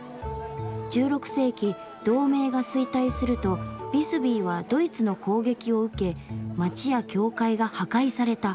１６世紀同盟が衰退するとビスビーはドイツの攻撃を受け街や教会が破壊された。